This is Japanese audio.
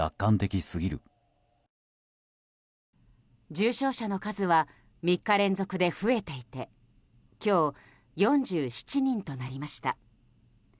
重症者の数は３日連続で増えていて今日、４７人となりました。